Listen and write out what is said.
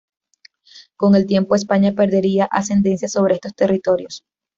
Con el tiempo, España perdería ascendencia sobre estos territorios.